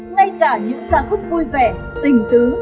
ngay cả những ca khúc vui vẻ tình tứ